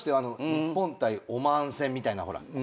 日本対オマーン戦みたいなほら何次予選。